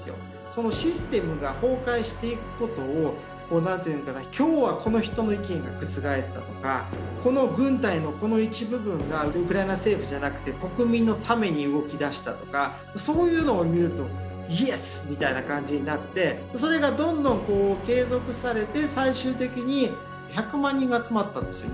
そのシステムが崩壊していくことを何ていうのかな今日はこの人の意見が覆ったとかこの軍隊のこの一部分がウクライナ政府じゃなくて国民のために動きだしたとかそういうのを見ると「イエス！」みたいな感じになってそれがどんどん継続されて最終的に１００万人が集まったんですよ